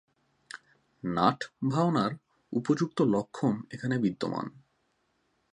নাট-ভাওনার উপযুক্ত লক্ষণ এখানে বিদ্যমান।